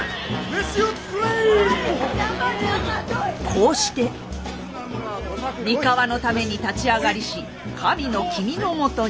こうして三河のために立ち上がりし神の君のもとに。